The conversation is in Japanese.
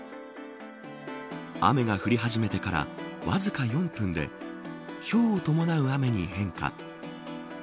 雨が降り始めてからわずか４分でひょうを伴う雨に変化。